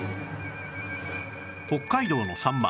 北海道のサンマ